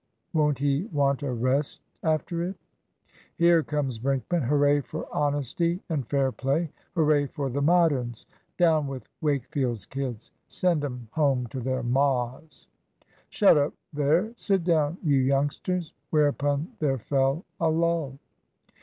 won't he want a rest after it!" "Here comes Brinkman! Hooray for honesty and fair play! Hooray for the Moderns! Down with Wakefield's kids! Send 'em home to their mas!" "Shut up there! Sit down, you youngsters." Whereupon there fell a lull.